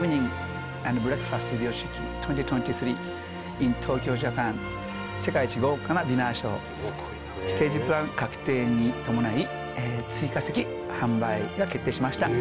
ｉｎＴＯＫＹＯＪＡＰＡＮ世界一豪華なＤＩＮＮＥＲＳＨＯＷステージプラン確定に伴い追加席販売が決定しました